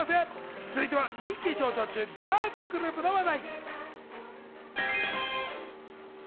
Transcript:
続いては人気上昇中のガールズグループの話題。